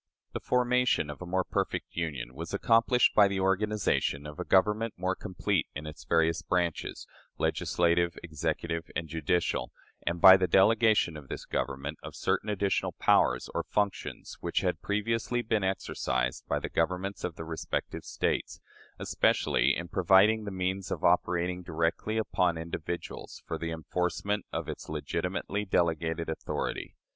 " The formation of a "more perfect union" was accomplished by the organization of a government more complete in its various branches, legislative, executive, and judicial, and by the delegation to this Government of certain additional powers or functions which had previously been exercised by the Governments of the respective States especially in providing the means of operating directly upon individuals for the enforcement of its legitimately delegated authority.